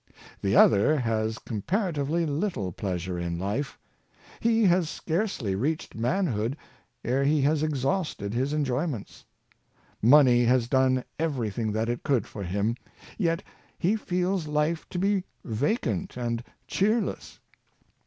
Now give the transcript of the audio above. The other has comparatively little pleasure in life. He has scarcely reached manhood ere he has exhausted its enjoyments. Money has done everything that it could for him, yet he feels life to be vacant and cheer less.